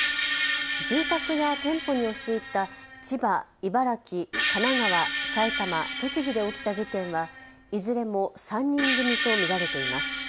住宅や店舗に押し入った千葉、茨城、神奈川、埼玉、栃木で起きた事件はいずれも３人組と見られています。